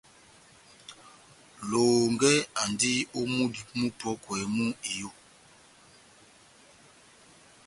Lohongɛ andi ó múdi mupɔ́kwɛ mú iyó.